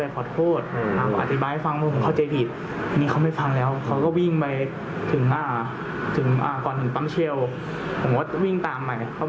ก่อนถึงปั๊มเชียวก็วิ่งตามมาเข้า